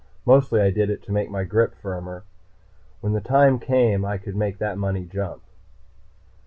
Mostly I did it to make my grip firmer. When the time came, I could make that money jump.